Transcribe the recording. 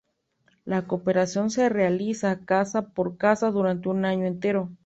La cooperación se realiza casa por casa durante un año entero.